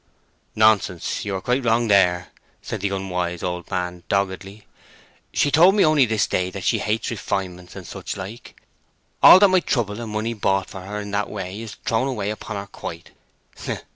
"Nonsense—you are quite wrong there," said the unwise old man, doggedly. "She told me only this day that she hates refinements and such like. All that my trouble and money bought for her in that way is thrown away upon her quite.